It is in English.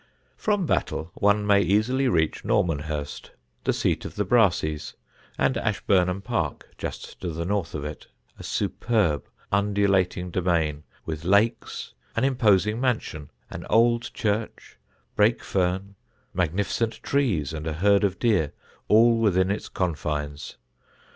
From Battle one may reach easily Normanhurst, the seat of the Brasseys, and Ashburnham Park, just to the north of it, a superb undulating domain, with lakes, an imposing mansion, an old church, brake fern, magnificent trees and a herd of deer, all within its confines.